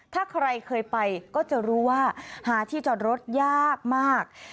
ถ้าใครเคยไปก็จะรู้ว่าหาที่จอดรถยากมาก